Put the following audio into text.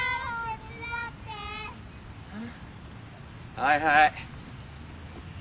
はいはい。